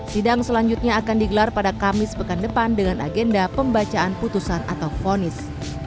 sidang selanjutnya akan digelar pada kamis pekan depan dengan agenda pembacaan putusan atau fonis